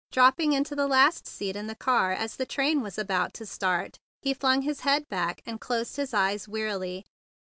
Dropping into the last seat in the car as the train was about to start, he flung his head back, and closed his eyes wearily.